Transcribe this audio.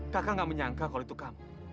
kakak gak menyangka kalau itu kamu